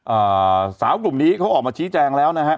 อ่าสาวกลุ่มนี้เขาออกมาชี้แจงแล้วนะฮะ